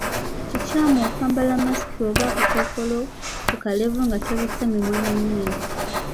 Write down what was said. Kikyamu okwambala masiki oba akakookolo ku kalevu nga tobisse mimwa na nnyindo.